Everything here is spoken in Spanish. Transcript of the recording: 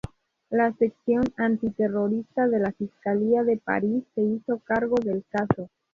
La sección antiterrorista de la fiscalía de París se hizo cargo del caso.